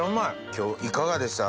今日いかがでした？